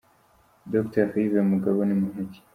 Dr Yves Mugabo ni muntu ki?.